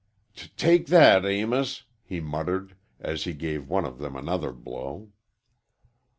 "T take that, Amos," he muttered, as he gave one of them another blow.